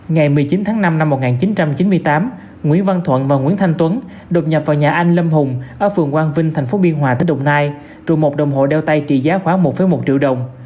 ngày một mươi chín tháng năm năm một nghìn chín trăm chín mươi tám nguyễn văn thuận và nguyễn thanh tuấn đột nhập vào nhà anh lâm hùng ở phường quang vinh tp biên hòa tỉnh đồng nai rồi một đồng hộ đeo tay trị giá khoảng một một triệu đồng